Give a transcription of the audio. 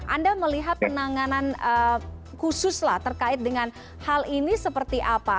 anda melihat penanganan khusus lah terkait dengan hal ini seperti apa